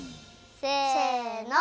せの。